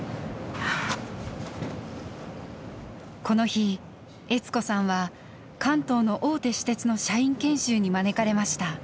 この日悦子さんは関東の大手私鉄の社員研修に招かれました。